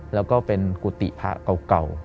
แล้วก็เป็นกุฏิพระเก่า